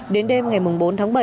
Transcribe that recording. đến đêm ngày bốn tháng bảy